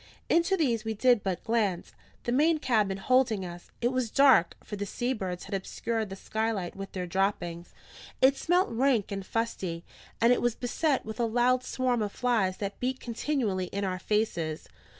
Into these we did but glance: the main cabin holding us. It was dark, for the sea birds had obscured the skylight with their droppings; it smelt rank and fusty; and it was beset with a loud swarm of flies that beat continually in our faces.